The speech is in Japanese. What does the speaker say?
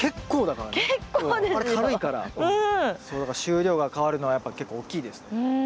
だから収量が変わるのはやっぱ結構大きいですね。